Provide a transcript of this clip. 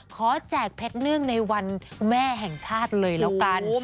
แจกเพชรเนื่องในวันแม่แห่งชาติเลยแล้วกัน